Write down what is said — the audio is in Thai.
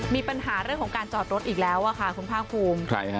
มีปัญหาเรื่องของการจอดรถอีกแล้วค่ะคุณภาคภูมิ